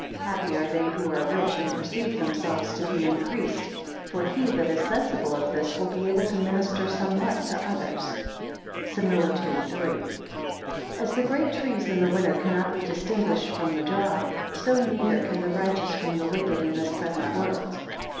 13 Happy are they who are rich, and perceive themselves to be increased: for he that is sensible of this, will be able to minister somewhat to others. SIMILITUDE III. As the great trees in the winter cannot be distinguished from the dry; so neither can the righteous from the wicked in this present world.